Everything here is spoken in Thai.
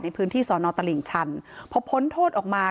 ในพื้นที่สอนอตลิ่งชันพอพ้นโทษออกมา